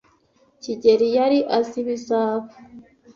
kigeli yari azi ibizaba.